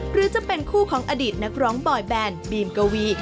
หรือจะเป็นคู่ของอดีตนักร้องบอยแบนบีมกวี